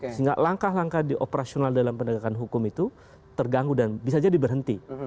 sehingga langkah langkah di operasional dalam penegakan hukum itu terganggu dan bisa jadi berhenti